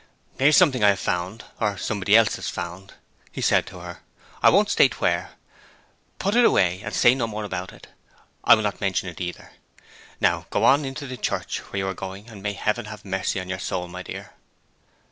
'Here is something I have found, or somebody else has found,' he said to her. 'I won't state where. Put it away, and say no more about it. I will not mention it either. Now go on into the church where you are going, and may Heaven have mercy on your soul, my dear.'